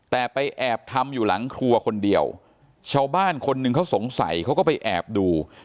แต่ไปแอบทำอยู่หลังครัวคนเดียวชาวบ้านคนหนึ่งเขาสงสัยเขาก็ไปแอบดู